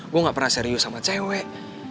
gue gak pernah serius sama cewek